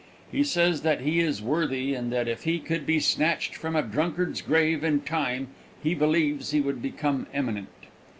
He says that he is worthy, and that if he could be snatched from a drunkard's grave in time he believes he would become eminent.